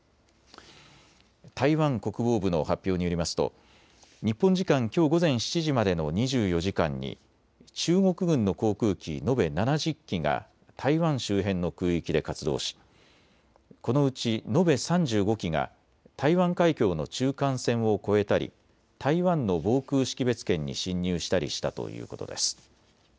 台湾国防部の発表によりますと日本時間きょう午前７時までの２４時間に中国軍の航空機延べ７０機が台湾周辺の空域で活動しこのうち延べ３５機が台湾海峡の中間線を越えたり台湾の防空識別圏に進入したりしたということです。